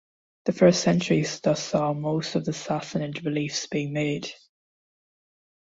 The first centuries thus saw most of the Sassanid reliefs being made.